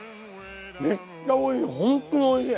めっちゃおいしい。